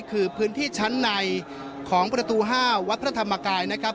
คือพื้นที่ชั้นในของประตู๕วัดพระธรรมกายนะครับ